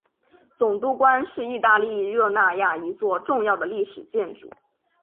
总督宫是意大利热那亚一座重要的历史建筑。